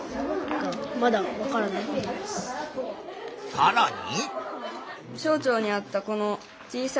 さらに。